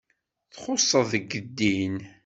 Txusseḍ deg ddin.